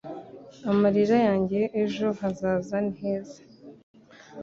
amarira yanjye, ejo hazaza niheza.